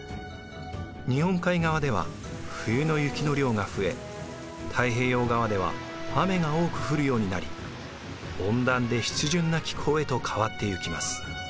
日本海側では冬の雪の量が増え太平洋側では雨が多く降るようになり温暖で湿潤な気候へと変わっていきます。